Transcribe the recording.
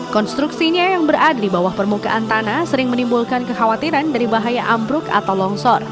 konstruksinya yang berada di bawah permukaan tanah sering menimbulkan kekhawatiran dari bahaya ambruk atau longsor